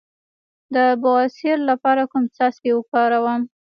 د بواسیر لپاره کوم څاڅکي وکاروم؟